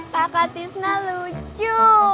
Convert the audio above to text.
kakak tisna lucu